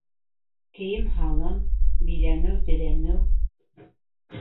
Кейем-һалым, биҙәнеү-төҙәнеү